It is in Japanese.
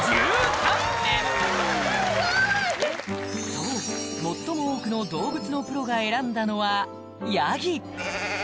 そう最も多くの動物のプロが選んだのはヤギ